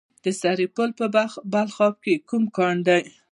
د سرپل په بلخاب کې کوم کان دی؟